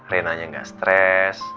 renanya gak stress